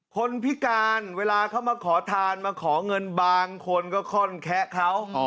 คนพิการเวลาเขามาขอทานมาขอเงินบางคนก็ค่อนแคะเขา